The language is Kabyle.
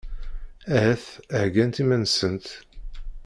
Ahat heggant iman-nsent.